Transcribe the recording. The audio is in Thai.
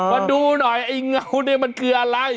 มาดูหน่อยไอ้เงาเนี่ยมันคืออะไร